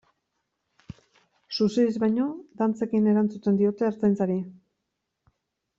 Suziriz baino, dantzekin erantzuten diote Ertzaintzari.